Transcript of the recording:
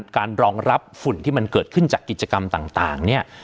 การรองรับฝุ่นที่มันเกิดขึ้นจากกิจกรรมต่างเนี่ย